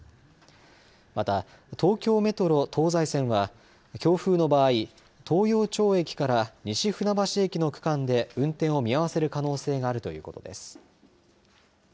また、東京メトロ東西線は強風の場合東陽町駅から西船橋駅の区間で運転を見合わせる可能性があるということです。